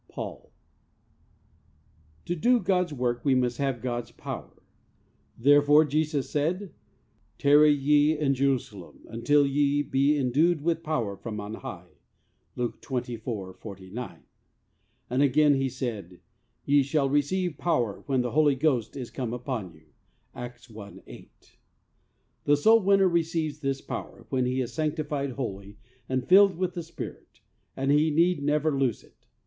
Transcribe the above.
— Paul. To do God's work we must have God's power. Therefore Jesus said: "Tarry ye in Jerusalem until ye be endued with power from on high." (Luke 24: 49.) And again He said: "Ye shall receive power when the Holy Ghost is come upon you." (Acts i: 8.) The soul winner receives this power when he is sanctified wholly and filled with the Spirit, and he need never lose it.